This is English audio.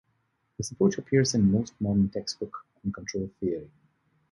This approach appears in most modern textbooks on control theory.